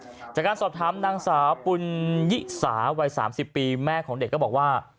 จากการสอบถามนางสาวปุญยิสาวัย๓๐ปีแม่ของเด็กก็บอกว่า